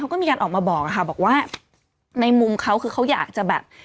ก็มีการออกมาบอกค่ะบอกว่าในมุมเขาคือเขาอยากจะแบบ